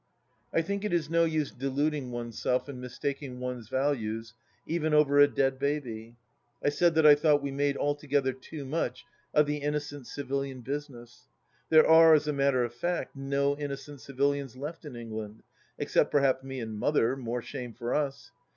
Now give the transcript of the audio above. I think it is no use deluding oneself and mistaking one's values, even over a dead baby. I said that I thought we made altogether too much of the innocent civilian business. There are, as a matter of fact, no innocent civilians left in England, except perhaps me and Mother, more shame for us